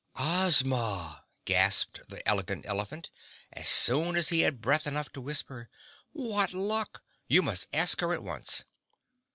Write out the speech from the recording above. "Ozma," gasped the Elegant Elephant, as soon as he had breath enough to whisper. "What luck! You must ask her at once."